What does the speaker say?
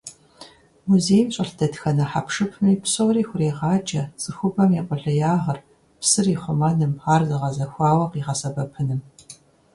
Музейм щӀэлъ дэтхэнэ хьэпшыпми псори хурегъаджэ цӀыхубэм и къулеягъыр псыр ихъумэным, ар зэгъэзэхуауэ къигъэсэбэпыным.